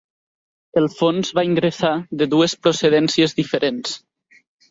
El fons va ingressar de dues procedències diferents.